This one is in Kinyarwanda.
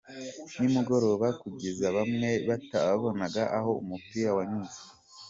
nimugoroba kugeza bamwe batabonaga aho umupira wanyuze.